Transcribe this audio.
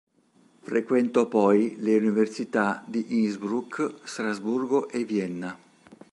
Frequentò poi le Università di Innsbruck, Strasburgo e Vienna.